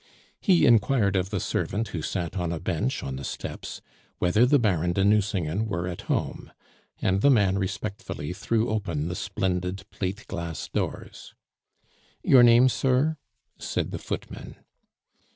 He inquired of the servant who sat on a bench on the steps whether the Baron de Nucingen were at home; and the man respectfully threw open the splendid plate glass doors. "Your name, sir?" said the footman.